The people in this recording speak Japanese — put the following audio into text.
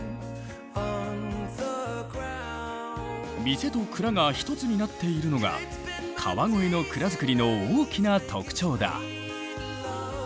店と蔵が一つになっているのが川越の蔵造りの大きな特徴だ。